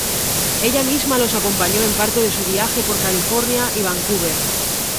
Ella misma los acompañó en parte de su viaje por California y Vancouver.